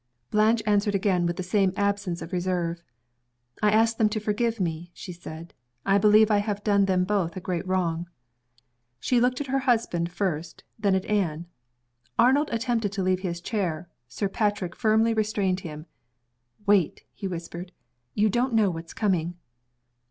Blanche answered again, with the same absence of reserve. "I ask them to forgive me," she said. "I believe I have done them both a great wrong." She looked at her husband first then at Anne. Arnold attempted to leave his chair. Sir Patrick firmly restrained him. "Wait!" he whispered. "You don't know what is coming."